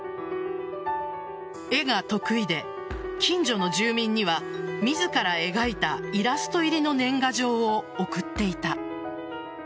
絵が得意で、近所の住民には自ら描いたイラスト入りの年賀状を送っていた。